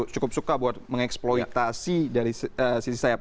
cukup suka buat mengeksploitasi dari sisi sayap